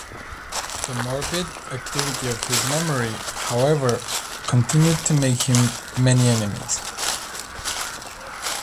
The morbid activity of his memory, however, continued to make him many enemies.